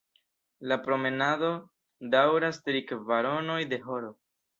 La promenado daŭras tri kvaronoj de horo.